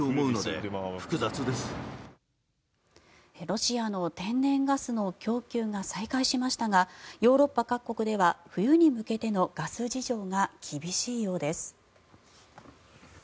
ロシアの天然ガスの供給が再開しましたがヨーロッパ各国では冬に向けてのガス事情が厳しいようです。